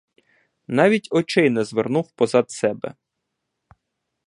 Навіть очей не звернув позад себе.